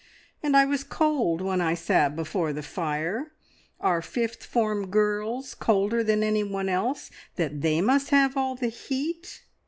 And I was cold when I sat before the fire. Are fifth form girls colder than anyone else, that they must have all the heat?"